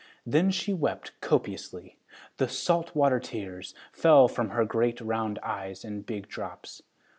Then she wept copiously. The salt water tears fell from her great round eyes in big drops.